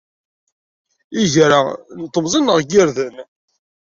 Iger-a n temẓin neɣ n yirden?